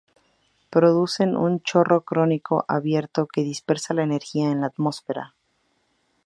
Producen un chorro cónico abierto que dispersa la energía en la atmósfera.